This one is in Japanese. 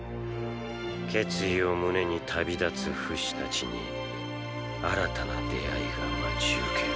決意を胸に旅立つフシたちに新たな出会いが待ち受ける